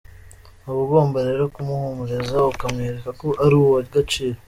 Uba ugomba rero kumuhumuriza ukamwereka ko ari uw’agaciro.